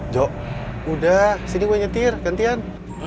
jo udah sini gue nyetir gantian